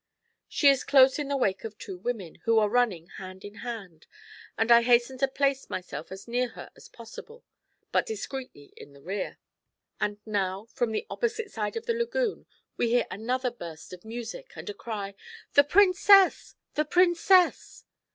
She is close in the wake of two women, who are running hand in hand, and I hasten to place myself as near her as possible, but discreetly in the rear. And now, from the opposite side of the lagoon, we hear another burst of music and a cry, 'The princess! the princess!'